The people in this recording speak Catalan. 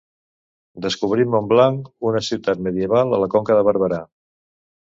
Descobrim Montblanc, una ciutat medieval a la Conca de Barberà.